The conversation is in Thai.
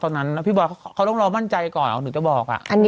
ตอนนั้นก็บอยเค้าต้องรอมั่นใจก่อน